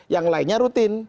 yang lainnya rutin